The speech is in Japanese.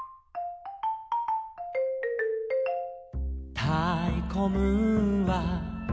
「たいこムーンは」